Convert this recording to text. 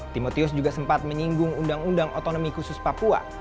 timotius juga sempat menyinggung undang undang otonomi khusus papua